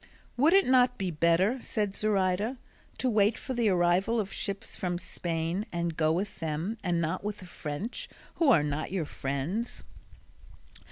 "Would it not be better," said Zoraida, "to wait for the arrival of ships from Spain and go with them and not with the French who are not your friends?"